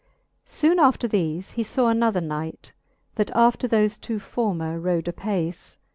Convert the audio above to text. Soone after the(e he faw another knight. That after thole two former rode apace.